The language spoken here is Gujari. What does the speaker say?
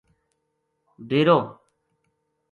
ڈیرو